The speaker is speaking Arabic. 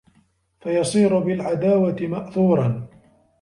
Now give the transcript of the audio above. فَيَصِيرُ بِالْعَدَاوَةِ مَأْثُورًا